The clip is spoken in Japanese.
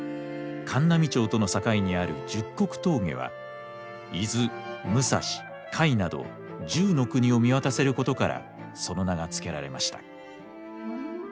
函南町との境にある十国峠は伊豆武蔵甲斐など１０の国を見渡せることからその名が付けられました。